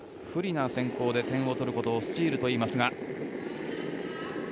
不利な先行で点を取ることをスチールといいます。